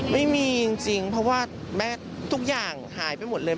ไม่มีจริงเพราะว่าแม่ทุกอย่างหายไปหมดเลย